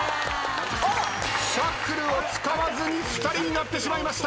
シャッフルを使わずに２人になってしまいました。